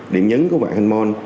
điểm nhấn của hoàng anh mall